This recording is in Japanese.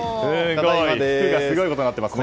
服がすごいことになってますね。